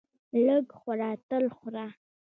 لږ خوره تل خوره!